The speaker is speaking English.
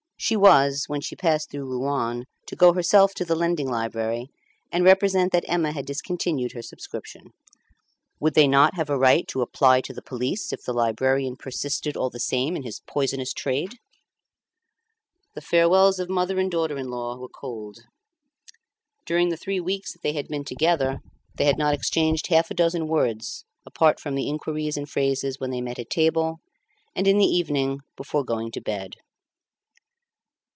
She was, when she passed through Rouen, to go herself to the lending library and represent that Emma had discontinued her subscription. Would they not have a right to apply to the police if the librarian persisted all the same in his poisonous trade? The farewells of mother and daughter in law were cold. During the three weeks that they had been together they had not exchanged half a dozen words apart from the inquiries and phrases when they met at table and in the evening before going to bed.